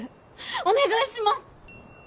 お願いします！